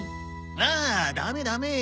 ああダメダメ。